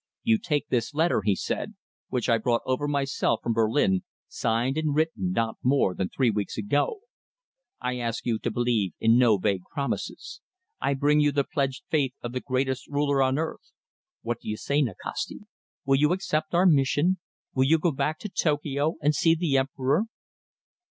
"You take this letter," he said, "which I brought over myself from Berlin, signed and written not more than three weeks ago. I ask you to believe in no vague promises. I bring you the pledged faith of the greatest ruler on earth. What do you say, Nikasti? Will you accept our mission? Will you go back to Tokio and see the Emperor?"